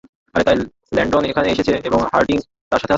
আরে, তাই ল্যান্ডন এখানে এসেছে, এবং হার্ডিন তার সাথে আছে।